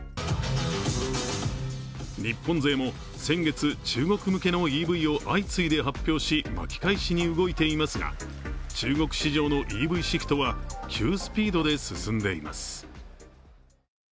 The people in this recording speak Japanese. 日本勢も先月、中国向けのＥＶを相次いで発表し巻き返しに動いていますが中国市場のＥＶシフトは急スピードで進んでいます。